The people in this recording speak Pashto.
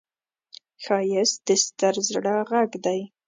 ښایست د ستر زړه غږ دی